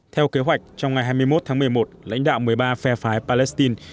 theo kế hoạch trong ngày hai mươi một tháng một mươi một lãnh đạo một mươi ba phe phái palestine